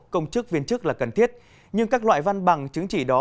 công chức viên chức là cần thiết nhưng các loại văn bằng chứng chỉ đó